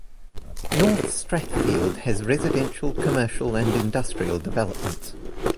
North Strathfield has residential, commercial and industrial developments.